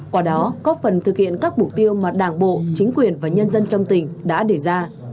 quả đó có phần thực hiện các mục tiêu mà đảng bộ chính quyền và nhân dân trong tỉnh đã đề ra